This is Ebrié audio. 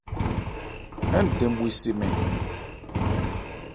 Ń dɛn bhwe se mɛn.